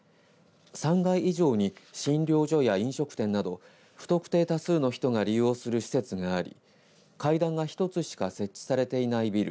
３階以上に診療所や飲食店など不特定多数の人が利用する施設があり階段が１つしか設置されていないビル